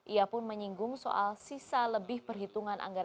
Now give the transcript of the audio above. ia pun menyinggung soal sisa lebih perhitungan anggaran